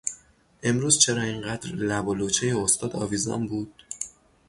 امروز چرا این قدر لب و لوچهی استاد آویزان بود؟